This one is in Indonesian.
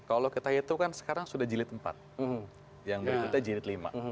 kalau kita hitung kan sekarang sudah jilid empat yang berikutnya jilid lima